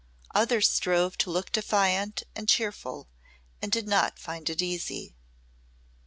Others strove to look defiant and cheerful and did not find it easy.